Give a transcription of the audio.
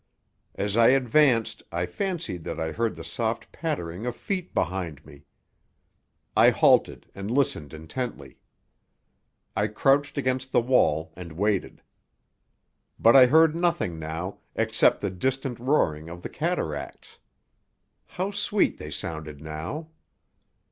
As I advanced I fancied that I heard the soft pattering of feet behind me. I halted and listened intently. I crouched against the wall and waited. But I heard nothing now except the distant roaring of the cataracts. How sweet they sounded now!